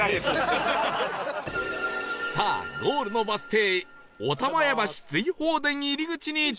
さあゴールのバス停霊屋橋・瑞鳳殿入口に到着